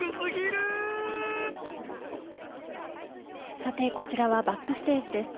さて、こちらはバックステージです。